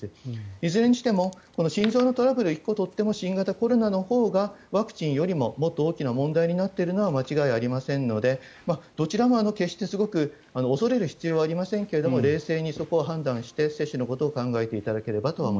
いずれにしても心臓のトラブル１個取っても新型コロナのほうがワクチンよりももっと大きな問題になっているのは間違いありませんのでどちらも決してすごく恐れる必要はありませんが冷静にそこは判断して接種のことを考えていただければと。